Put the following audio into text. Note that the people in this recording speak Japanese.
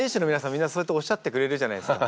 みんなそうやっておっしゃってくれるじゃないですか。